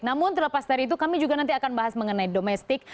namun terlepas dari itu kami juga nanti akan bahas mengenai domestik